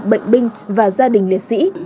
bệnh binh và gia đình liệt sĩ